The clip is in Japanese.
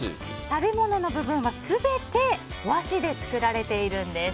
食べ物の部分は全て和紙で作られているんです。